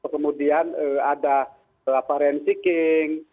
kemudian ada rent seeking